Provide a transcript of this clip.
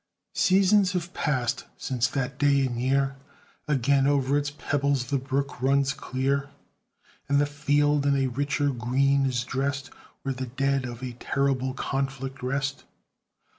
Seasons have passed since that day and year Again o'er its pebbles the brook runs clear, And the field in a richer green is drest Where the dead of a terrible conflict rest.